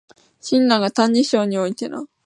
親鸞が「歎異抄」においての